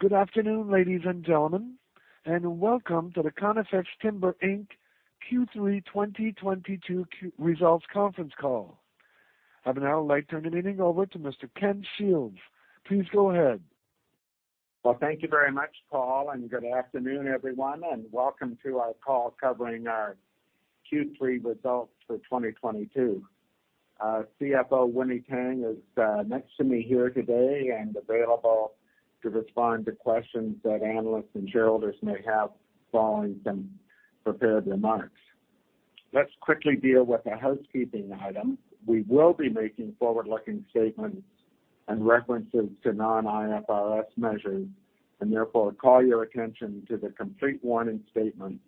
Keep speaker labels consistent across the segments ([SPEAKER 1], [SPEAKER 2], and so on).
[SPEAKER 1] Good afternoon, ladies and gentlemen, and welcome to the Conifex Timber Inc. Q3 2022 Results Conference Call. I would now like to turn the meeting over to Mr. Ken Shields. Please go ahead.
[SPEAKER 2] Well, thank you very much, Paul, and good afternoon, everyone, and welcome to our call covering our Q3 results for 2022. Our CFO, Winny Tang, is next to me here today and available to respond to questions that analysts and shareholders may have following some prepared remarks. Let's quickly deal with the housekeeping item. We will be making forward-looking statements and references to non-IFRS measures, and therefore call your attention to the complete warning statement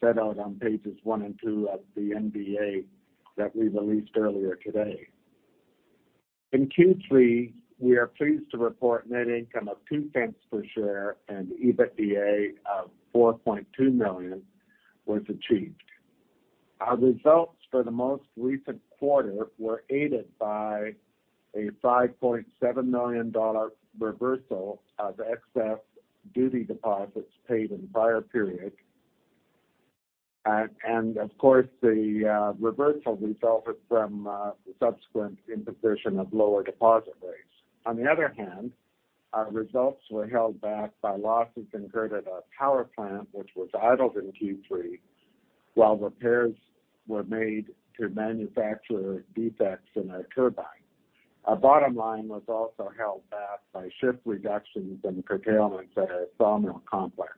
[SPEAKER 2] set out on pages 1 and 2 of the MD&A that we released earlier today. In Q3, we are pleased to report net income of 0.02 per share and EBITDA of 4.2 million was achieved. Our results for the most recent quarter were aided by a $5.7 million reversal of excess duty deposits paid in the prior period. Of course, the reversal resulted from the subsequent imposition of lower deposit rates. On the other hand, our results were held back by losses incurred at our power plant, which was idled in Q3 while repairs were made to manufacturing defects in our turbine. Our bottom line was also held back by shift reductions and curtailments at our sawmill complex.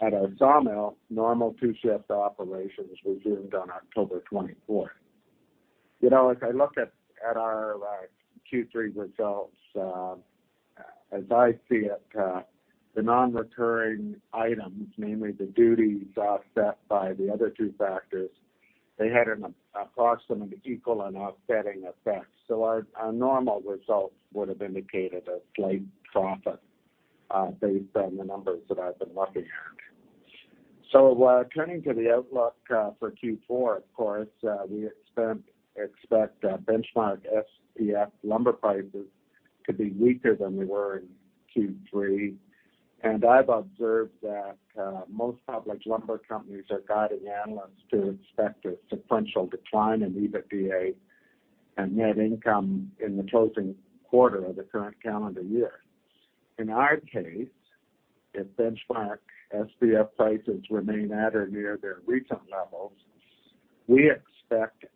[SPEAKER 2] At our sawmill, normal two-shift operations resumed on October twenty-fourth. You know, as I look at our Q3 results, as I see it, the non-recurring items, mainly the duties offset by the other two factors, they had an approximate, equal, and offsetting effect. Our normal results would have indicated a slight profit based on the numbers that I've been looking at. Turning to the outlook for Q4, of course, we expect benchmark SPF lumber prices to be weaker than they were in Q3. I've observed that most public lumber companies are guiding analysts to expect a sequential decline in EBITDA and net income in the closing quarter of the current calendar year. In our case, if benchmark SPF prices remain at or near their recent levels, we expect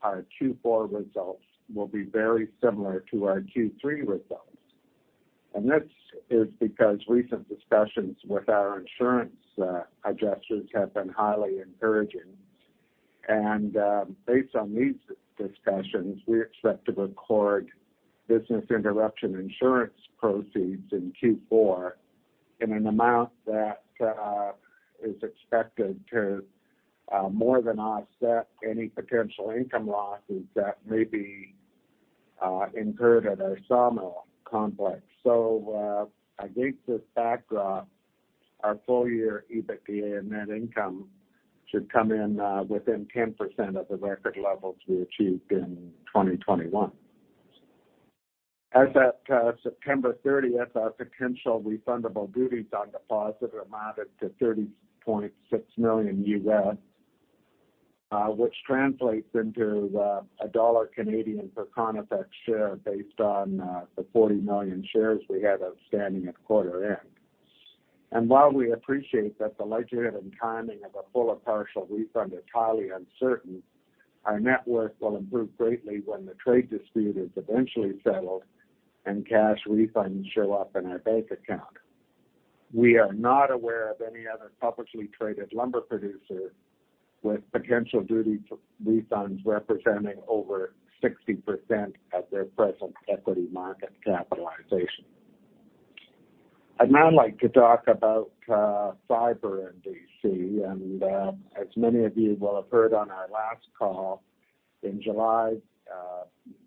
[SPEAKER 2] our Q4 results will be very similar to our Q3 results. This is because recent discussions with our insurance adjusters have been highly encouraging. Based on these discussions, we expect to record business interruption insurance proceeds in Q4 in an amount that is expected to more than offset any potential income losses that may be incurred at our sawmill complex. Against this backdrop, our full-year EBITDA and net income should come in within 10% of the record levels we achieved in 2021. As at September 30th, our potential refundable duties on deposit amounted to $30.6 million US, which translates into CAD 1 per Conifex share based on the 40 million shares we had outstanding at quarter end. While we appreciate that the likelihood and timing of a full or partial refund is highly uncertain, our net worth will improve greatly when the trade dispute is eventually settled and cash refunds show up in our bank account. We are not aware of any other publicly traded lumber producer with potential duty refunds representing over 60% of their present equity market capitalization. I'd now like to talk about fiber in BC, and as many of you will have heard on our last call in July,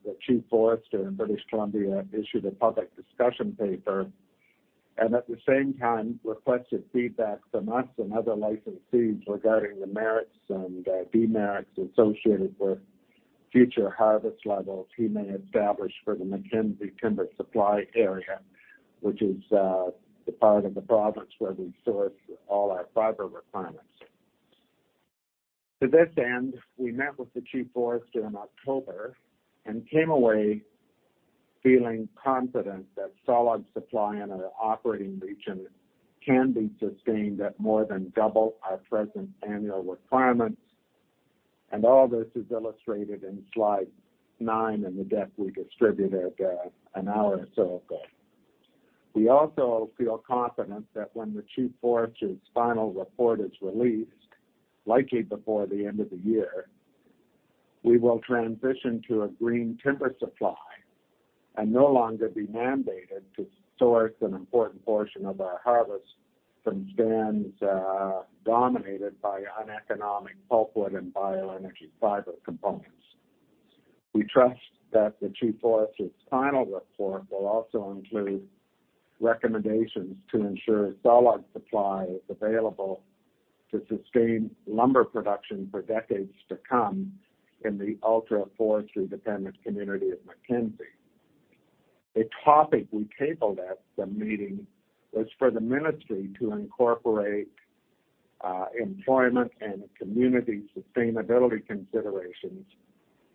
[SPEAKER 2] the chief forester in British Columbia issued a public discussion paper and at the same time requested feedback from us and other licensees regarding the merits and demerits associated with future harvest levels he may establish for the Mackenzie Timber Supply Area, which is the part of the province where we source all our fiber requirements. To this end, we met with the chief forester in October and came away feeling confident that solid supply in our operating region can be sustained at more than double our present annual requirements, and all this is illustrated in slide nine in the deck we distributed an hour or so ago. We also feel confident that when the Chief Forester's final report is released, likely before the end of the year, we will transition to a green timber supply and no longer be mandated to source an important portion of our harvest from stands, dominated by uneconomic pulpwood and bioenergy fiber components. We trust that the Chief Forester's final report will also include recommendations to ensure solid supply is available to sustain lumber production for decades to come in the ultra forestry-dependent community of Mackenzie. A topic we tabled at the meeting was for the ministry to incorporate, employment and community sustainability considerations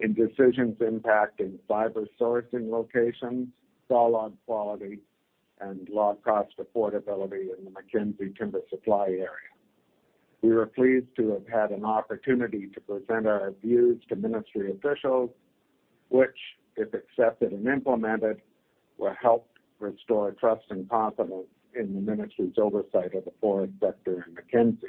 [SPEAKER 2] in decisions impacting fiber sourcing locations, sawlog quality, and log cost affordability in the Mackenzie timber supply area. We were pleased to have had an opportunity to present our views to ministry officials, which, if accepted and implemented, will help restore trust and confidence in the ministry's oversight of the forest sector in Mackenzie.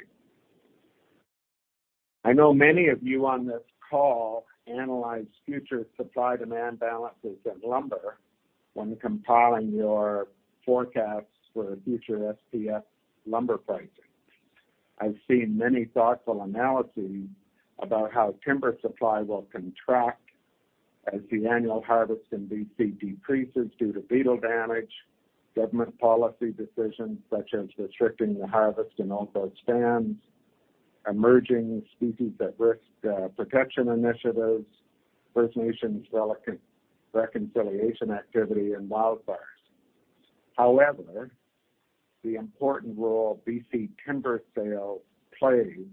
[SPEAKER 2] I know many of you on this call analyze future supply-demand balances in lumber when compiling your forecasts for future SPF lumber pricing. I've seen many thoughtful analyses about how timber supply will contract as the annual harvest in BC decreases due to beetle damage, government policy decisions such as restricting the harvest in old-growth stands, emerging species-at-risk protection initiatives, First Nations reconciliation activity, and wildfires. However, the important role BC Timber Sales plays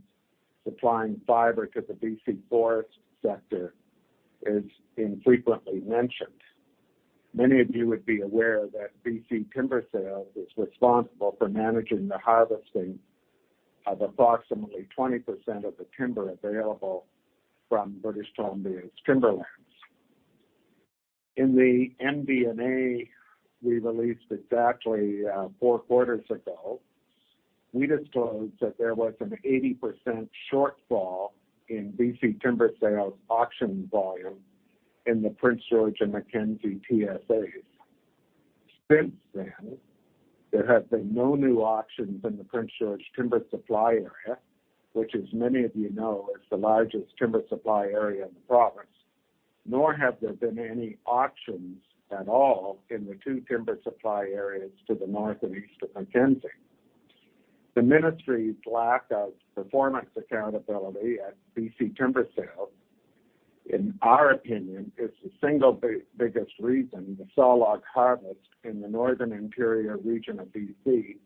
[SPEAKER 2] supplying fiber to the BC forest sector is infrequently mentioned. Many of you would be aware that BC Timber Sales is responsible for managing the harvesting of approximately 20% of the timber available from British Columbia's timberlands. In the MD&A we released exactly four quarters ago, we disclosed that there was an 80% shortfall in BC Timber Sales auction volume in the Prince George and Mackenzie TSAs. Since then, there have been no new auctions in the Prince George timber supply area, which, as many of you know, is the largest timber supply area in the province, nor have there been any auctions at all in the two timber supply areas to the north and east of Mackenzie. The ministry's lack of performance accountability at BC Timber Sales, in our opinion, is the single biggest reason the sawlog harvest in the Northern Interior region of BC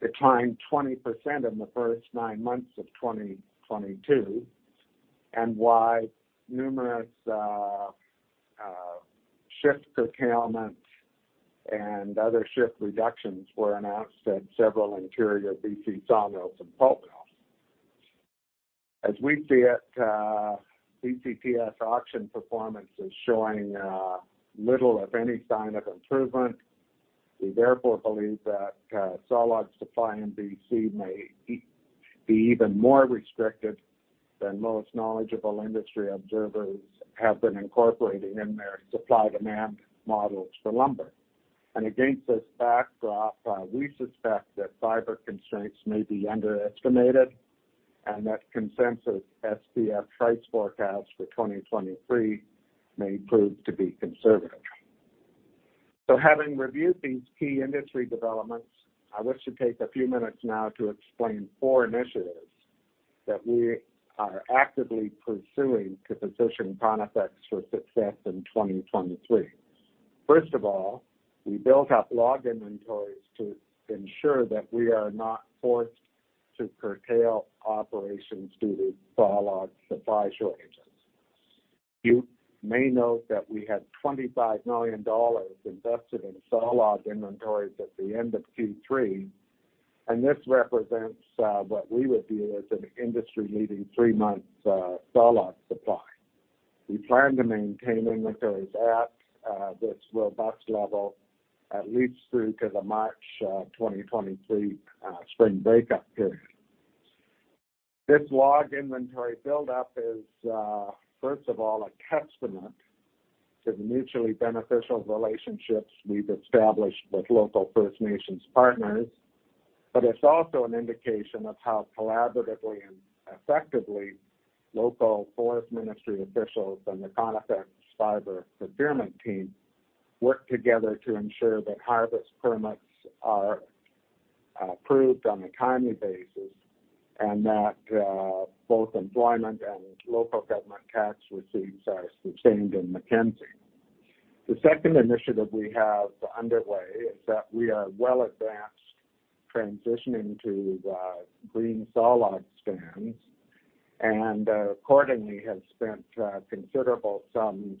[SPEAKER 2] declined 20% in the first nine months of 2022, and why numerous shift curtailment and other shift reductions were announced at several Interior BC sawmills and pulp mills. As we see it, BCTS auction performance is showing little, if any, sign of improvement. We therefore believe that sawlog supply in BC may be even more restricted than most knowledgeable industry observers have been incorporating in their supply-demand models for lumber. Against this backdrop, we suspect that fiber constraints may be underestimated and that consensus SPF price forecasts for 2023 may prove to be conservative. Having reviewed these key industry developments, I wish to take a few minutes now to explain four initiatives that we are actively pursuing to position Conifex for success in 2023. First of all, we built up log inventories to ensure that we are not forced to curtail operations due to sawlog supply shortages. You may note that we had 25 million dollars invested in sawlog inventories at the end of Q3, and this represents what we would view as an industry-leading three-month sawlog supply. We plan to maintain inventories at this robust level at least through to the March 2023 spring breakup period. This log inventory buildup is first of all a testament to the mutually beneficial relationships we've established with local First Nations partners, but it's also an indication of how collaboratively and effectively local forest ministry officials and the Conifex fiber procurement team work together to ensure that harvest permits are approved on a timely basis and that both employment and local government tax receipts are sustained in Mackenzie. The second initiative we have underway is that we are well advanced transitioning to green sawlog stands, and accordingly, have spent considerable sums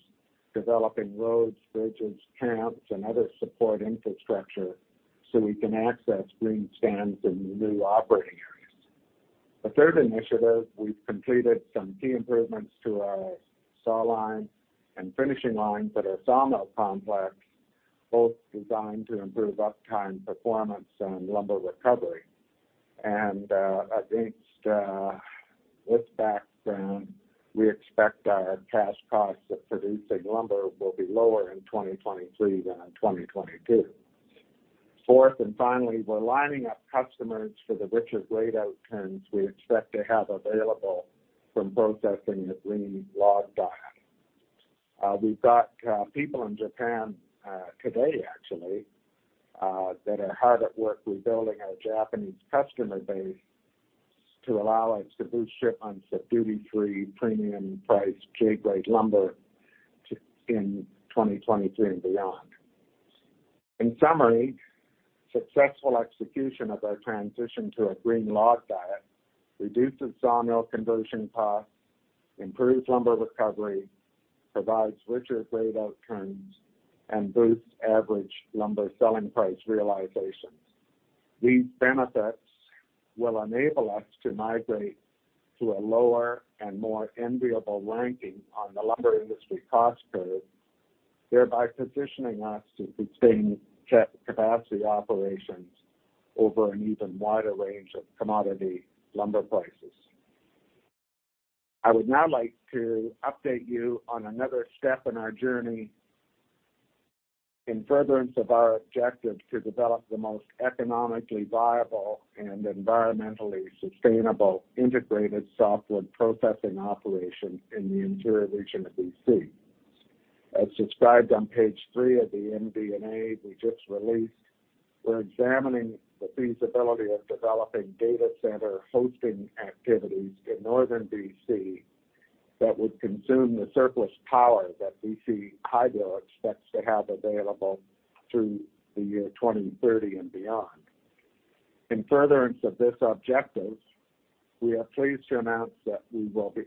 [SPEAKER 2] developing roads, bridges, camps, and other support infrastructure so we can access green stands in new operating areas. The third initiative, we've completed some key improvements to our saw line and finishing lines at our sawmill complex, both designed to improve uptime performance and lumber recovery. Against this background, we expect our cash costs of producing lumber will be lower in 2023 than in 2022. Fourth and finally, we're lining up customers for the richer grade outcomes we expect to have available from processing the green log diet. We've got people in Japan today actually that are hard at work rebuilding our Japanese customer base to allow us to boost shipments of duty-free, premium priced J grade lumber to in 2023 and beyond. In summary, successful execution of our transition to a green log diet reduces sawmill conversion costs, improves lumber recovery, provides richer grade outcomes, and boosts average lumber selling price realizations. These benefits will enable us to migrate to a lower and more enviable ranking on the lumber industry cost curve, thereby positioning us to sustain capacity operations over an even wider range of commodity lumber prices. I would now like to update you on another step in our journey in furtherance of our objective to develop the most economically viable and environmentally sustainable integrated softwood processing operation in the interior region of BC. As described on page 3 of the MD&A we just released, we're examining the feasibility of developing data center hosting activities in northern BC that would consume the surplus power that BC Hydro expects to have available through the year 2030 and beyond. In furtherance of this objective, we are pleased to announce that we will be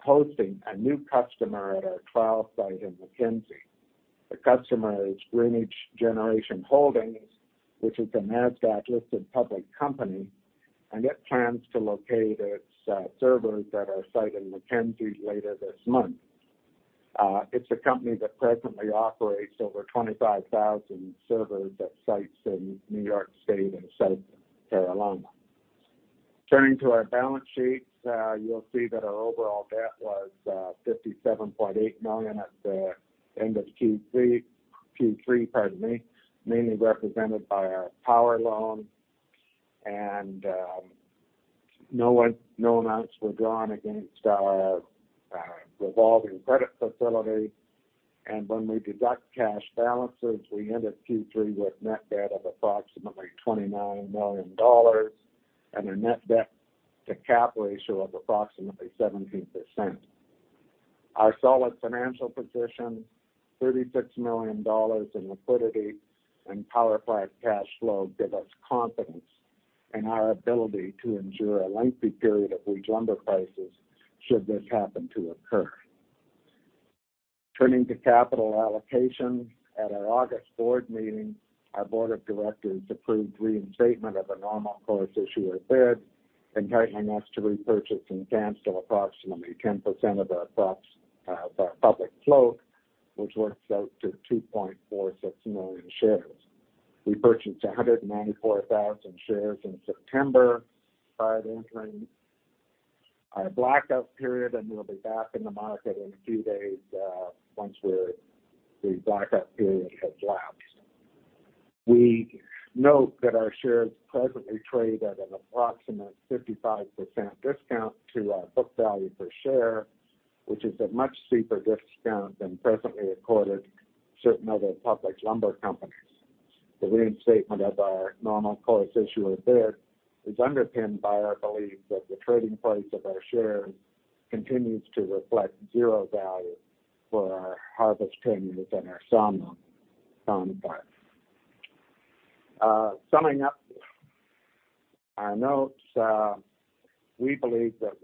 [SPEAKER 2] hosting a new customer at our trial site in Mackenzie. The customer is Greenidge Generation Holdings, which is a NASDAQ-listed public company, and it plans to locate its servers at our site in Mackenzie later this month. It's a company that presently operates over 25,000 servers at sites in New York State and South Carolina. Turning to our balance sheet, you'll see that our overall debt was 57.8 million at the end of Q3, mainly represented by our power loan. No amounts were drawn against our revolving credit facility. When we deduct cash balances, we end at Q3 with net debt of approximately 29 million dollars and a net debt to cap ratio of approximately 17%. Our solid financial position, 36 million dollars in liquidity, and power price cash flow give us confidence in our ability to endure a lengthy period of weak lumber prices should this happen to occur. Turning to capital allocation, at our August board meeting, our board of directors approved reinstatement of a normal course issuer bid, entitling us to repurchase and cancel approximately 10% of our public float, which works out to 2.46 million shares. We purchased 194,000 shares in September prior to entering our blackout period, and we'll be back in the market in a few days, once the blackout period has lapsed. We note that our shares presently trade at an approximate 55% discount to our book value per share, which is a much steeper discount than presently accorded certain other public lumber companies. The reinstatement of our normal course issuer bid is underpinned by our belief that the trading price of our shares continues to reflect zero value for our harvesting within our sawmill. Summing up our notes, we believe that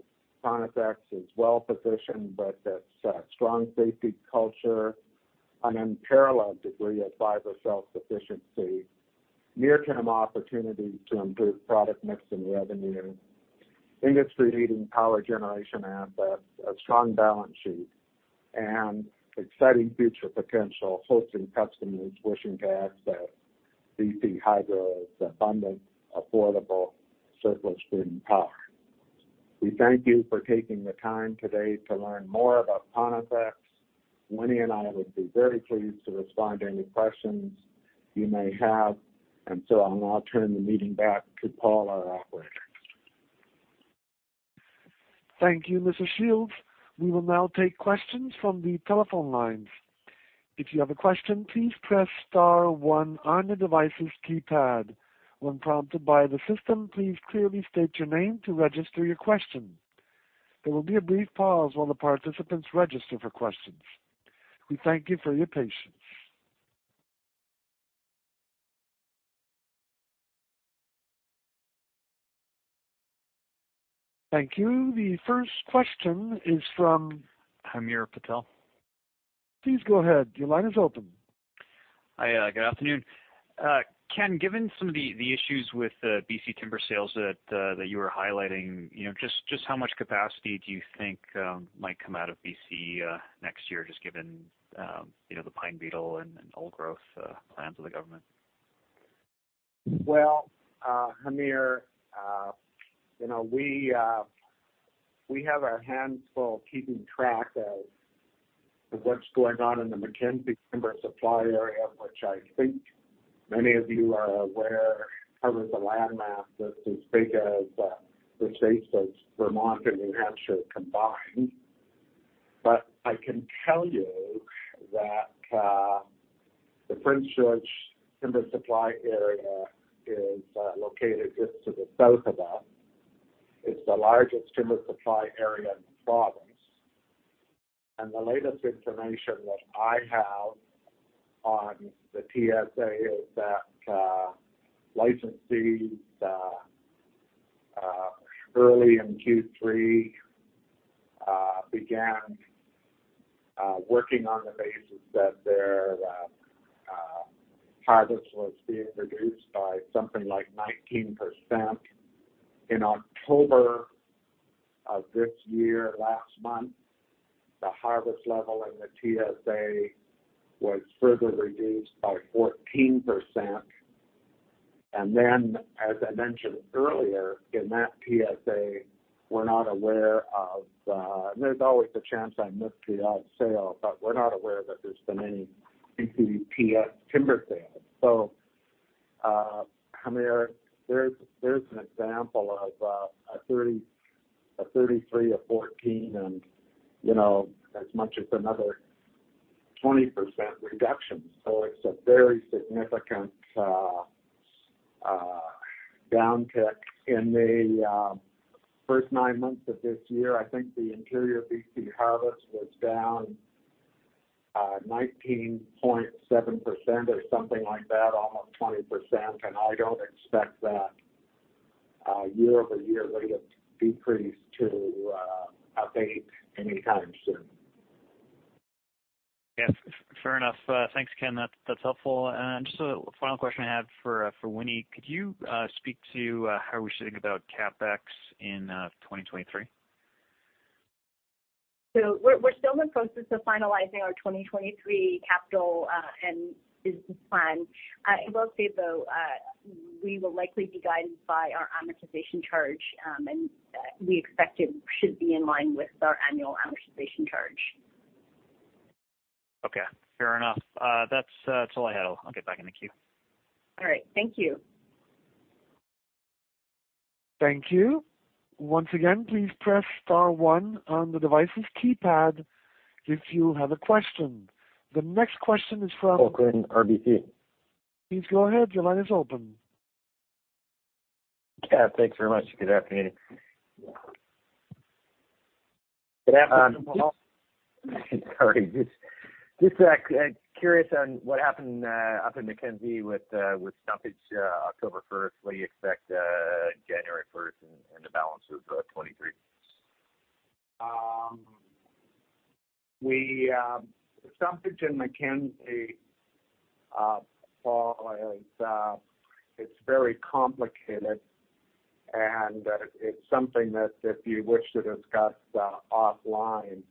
[SPEAKER 2] Conifex is well-positioned with its strong safety culture, an unparalleled degree of fiber self-sufficiency, near-term opportunity to improve product mix and revenue, industry-leading power generation assets, a strong balance sheet, and exciting future potential hosting customers wishing to access BC Hydro's abundant, affordable surplus green power. We thank you for taking the time today to learn more about Conifex. Winnie and I would be very pleased to respond to any questions you may have. I'll now turn the meeting back to Paul, our operator.
[SPEAKER 1] Thank you, Mr. Shields. We will now take questions from the telephone lines. If you have a question, please press star one on the device's keypad. When prompted by the system, please clearly state your name to register your question. There will be a brief pause while the participants register for questions. We thank you for your patience. Thank you. The first question is from.
[SPEAKER 3] Hamir Patel.
[SPEAKER 1] Please go ahead. Your line is open.
[SPEAKER 3] Hi. Good afternoon. Ken, given some of the issues with the BC Timber Sales that you were highlighting, you know, just how much capacity do you think might come out of BC next year, just given you know, the pine beetle and old growth plans of the government?
[SPEAKER 2] Well, Hamir, you know, we have our hands full keeping track of what's going on in the Mackenzie Timber Supply Area, which I think many of you are aware covers a land mass that's as big as the states of Vermont and New Hampshire combined. I can tell you that the Prince George Timber Supply Area is located just to the south of us. It's the largest timber supply area in the province. The latest information that I have on the TSA is that licensees early in Q3 began working on the basis that their harvest was being reduced by something like 19%. In October of this year, last month, the harvest level in the TSA was further reduced by 14%. As I mentioned earlier, in that TSA, we're not aware of, and there's always the chance I missed the odd sale, but we're not aware that there's been any BCTS timber sales. I mean, there's an example of a 30%, a 33%, a 14%, and, you know, as much as another 20% reduction. It's a very significant downtick. In the first nine months of this year, I think the interior BC harvest was down 19.7% or something like that, almost 20%. I don't expect that year-over-year rate of decrease to abate anytime soon.
[SPEAKER 3] Yes. Fair enough. Thanks, Ken. That's helpful. Just a final question I have for Winny. Could you speak to how we should think about CapEx in 2023?
[SPEAKER 4] We're still in the process of finalizing our 2023 capital and business plan. I will say, though, we will likely be guided by our amortization charge, and we expect it should be in line with our annual amortization charge.
[SPEAKER 3] Okay. Fair enough. That's all I had. I'll get back in the queue.
[SPEAKER 4] All right. Thank you.
[SPEAKER 1] Thank you. Once again, please press star one on the device's keypad if you have a question. The next question is from-
[SPEAKER 5] Paul Quinn, RBC.
[SPEAKER 1] Please go ahead. Your line is open.
[SPEAKER 5] Yeah. Thanks very much. Good afternoon.
[SPEAKER 2] Good afternoon, Paul.
[SPEAKER 5] Just curious on what happened up in Mackenzie with stumpage October first. What do you expect January first and the balance of 2023?
[SPEAKER 2] The stumpage in Mackenzie, Paul, is very complicated, and it's something that if you wish to discuss offline,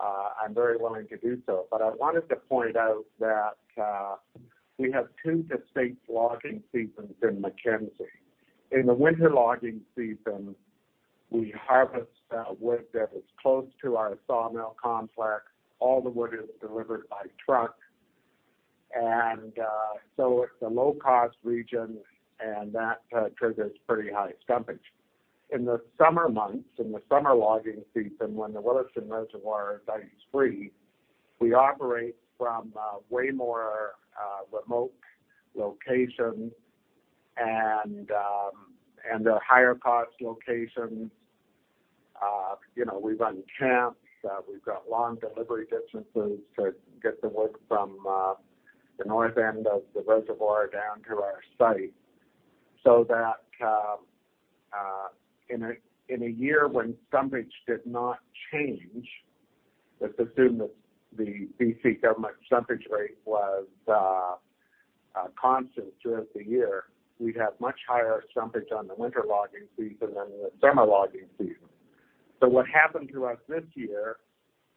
[SPEAKER 2] I'm very willing to do so. I wanted to point out that we have two distinct logging seasons in Mackenzie. In the winter logging season, we harvest wood that is close to our sawmill complex. All the wood is delivered by truck. It's a low cost region and that triggers pretty high stumpage. In the summer months, in the summer logging season, when the Williston Reservoir is ice-free, we operate from way more remote locations and they're higher cost locations. You know, we run camps. We've got long delivery distances to get the wood from the north end of the reservoir down to our site. In a year when stumpage did not change, let's assume that the BC government stumpage rate was constant throughout the year, we'd have much higher stumpage on the winter logging season than the summer logging season. What happened to us this year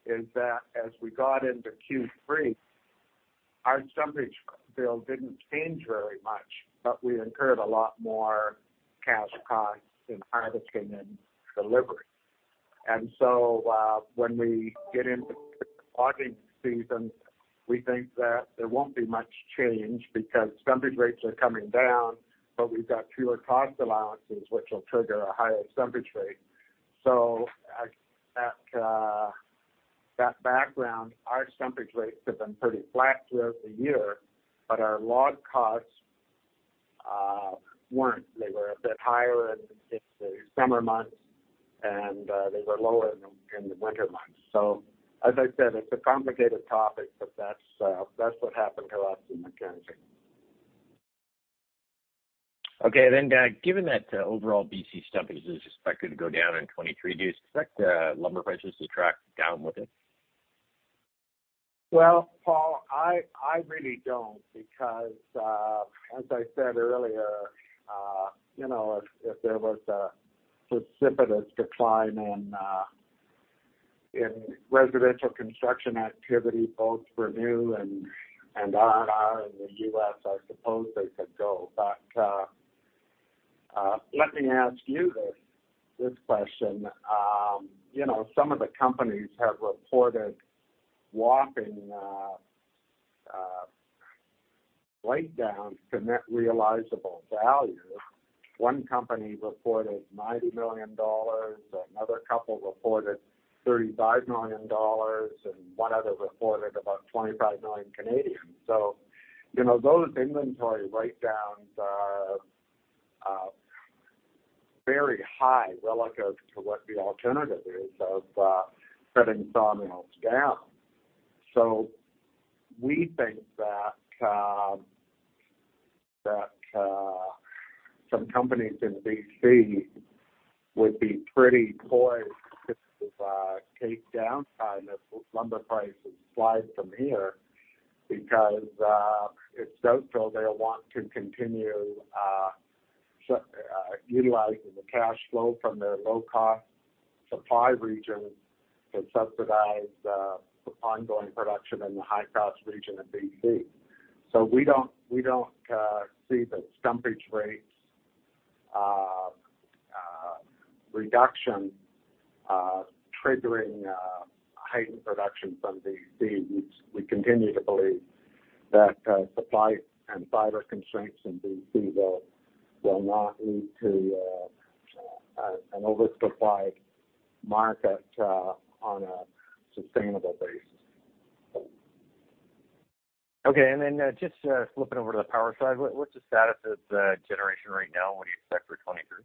[SPEAKER 2] is that as we got into Q3, our stumpage bill didn't change very much, but we incurred a lot more cash costs in harvesting and delivery. When we get into logging season, we think that there won't be much change because stumpage rates are coming down, but we've got fewer cost allowances, which will trigger a higher stumpage rate. Against that background, our stumpage rates have been pretty flat throughout the year, but our log costs weren't. They were a bit higher in the summer months and they were lower in the winter months. As I said, it's a complicated topic, but that's what happened to us in Mackenzie.
[SPEAKER 5] Given that overall BC stumpage is expected to go down in 2023, do you expect lumber prices to track down with it?
[SPEAKER 2] Well, Paul, I really don't because, as I said earlier, you know, if there was a precipitous decline in residential construction activity, both for new and R&R in the U.S., I suppose they could go. Let me ask you this question. You know, some of the companies have reported whopping write-downs to net realizable value. One company reported 90 million dollars, another couple reported 35 million dollars, and one other reported about 25 million Canadian dollars. You know, those inventory write-downs are very high relative to what the alternative is of shutting sawmills down. We think that some companies in BC would be pretty poised to take down if lumber prices slide from here because it's doubtful they'll want to continue utilizing the cash flow from their low-cost supply region to subsidize ongoing production in the high-cost region of BC. We don't see the stumpage rates reduction triggering heightened production from BC. We continue to believe that supply and fiber constraints in BC will not lead to an oversupplied market on a sustainable basis.
[SPEAKER 5] Okay. Just flipping over to the power side, what's the status of the generation right now? What do you expect for 2023?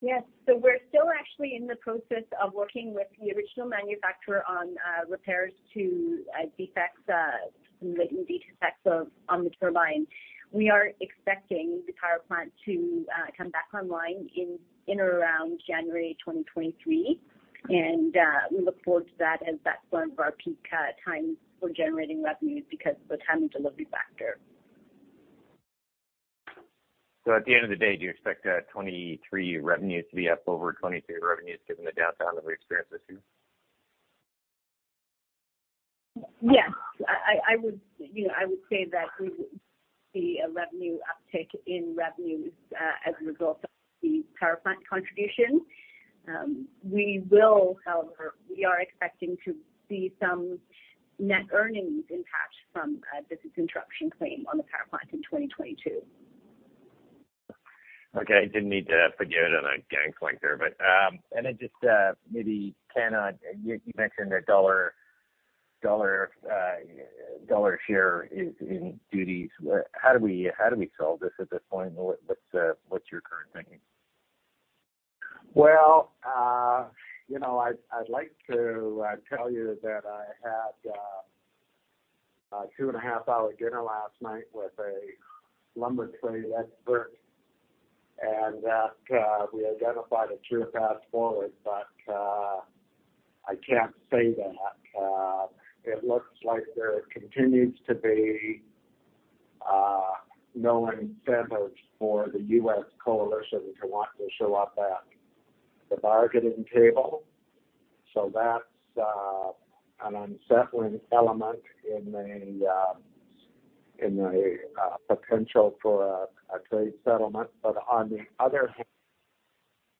[SPEAKER 4] Yes. We're still actually in the process of working with the original manufacturer on repairs to some latent defects on the turbine. We are expecting the power plant to come back online in or around January 2023, and we look forward to that as that's one of our peak times for generating revenues because of the timing delivery factor.
[SPEAKER 5] At the end of the day, do you expect 2023 revenue to be up over 2022 revenues given the downtime that we experienced this year?
[SPEAKER 4] Yes. You know, I would say that we would see a revenue uptick in revenues as a result of the power plant contribution. We are expecting to see some net earnings impact from a business interruption claim on the power plant in 2022.
[SPEAKER 5] Okay. I didn't mean to put you on the gangplank there, but then just maybe, Ken, you mentioned the dollar share is in duties. How do we solve this at this point, and what's your current thinking?
[SPEAKER 2] Well, you know, I'd like to tell you that I had a 2.5-hour dinner last night with a lumber trade expert and that we identified a clear path forward, but I can't say that. It looks like there continues to be no incentive for the U.S. Lumber Coalition to want to show up at the bargaining table. That's an unsettling element in the potential for a trade settlement. On the other hand,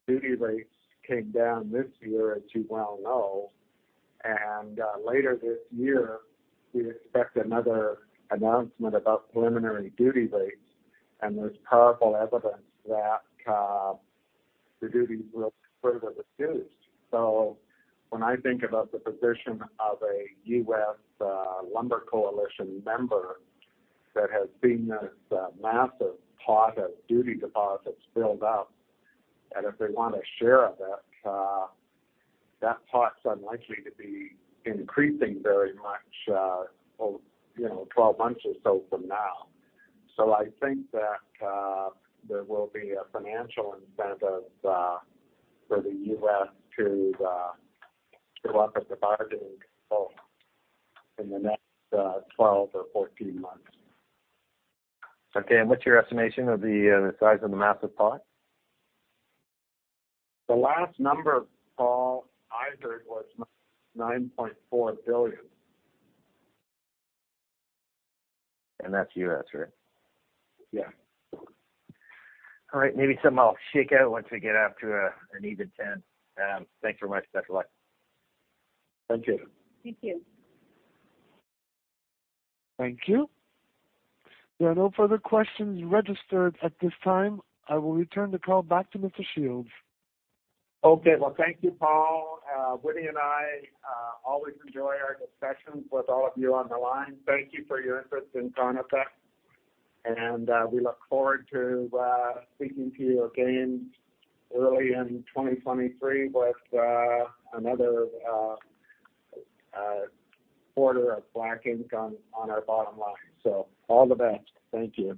[SPEAKER 2] duty rates came down this year, as you well know, and later this year we expect another announcement about preliminary duty rates and there's powerful evidence that the duties will further reduce. When I think about the position of a U.S. Lumber Coalition member that has seen this massive pot of duty deposits build up, and if they want a share of it, that pot's unlikely to be increasing very much, over, you know, 12 months or so from now. I think that there will be a financial incentive for the U.S. to show up at the bargaining table in the next 12 or 14 months.
[SPEAKER 5] Okay. What's your estimation of the size of the massive pot?
[SPEAKER 2] The last number, Paul, I heard was 9.4 billion.
[SPEAKER 5] That's U.S., right?
[SPEAKER 2] Yeah.
[SPEAKER 5] All right. Maybe something I'll shake out once we get up to an even ten. Thanks very much. That's all I have.
[SPEAKER 2] Thank you.
[SPEAKER 4] Thank you.
[SPEAKER 1] Thank you. There are no further questions registered at this time. I will return the call back to Mr. Shields.
[SPEAKER 2] Okay. Well, thank you, Paul. Winny and I always enjoy our discussions with all of you on the line. Thank you for your interest in Conifex. We look forward to speaking to you again early in 2023 with another quarter of black ink on our bottom line. All the best. Thank you.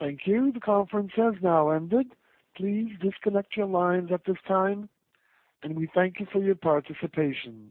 [SPEAKER 1] Thank you. The conference has now ended. Please disconnect your lines at this time, and we thank you for your participation.